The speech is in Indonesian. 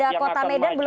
yang akan maju